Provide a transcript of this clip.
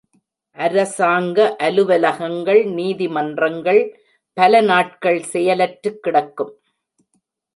அரசாங்க அலுவலகங்கள், நீதிமன்றங்கள் பல நாட்கள் செயலற்றுக் கிடக்கும்.